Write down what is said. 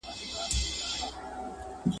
چي اسمان ته پورته کېږي له غروره `